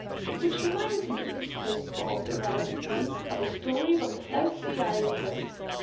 "Which reminds me," Bob said irrelevantly, "of a story about the South Sea Islanders.